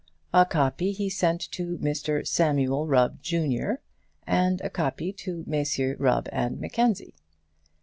A copy he sent to Mr Samuel Rubb, junior, and a copy to Messrs Rubb and Mackenzie.